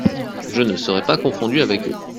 Je ne serai pas confondu avec eux.